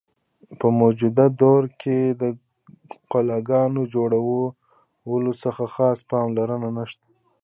په موجوده دور کښې د قلاګانو جوړولو څۀ خاص پام لرنه نشته۔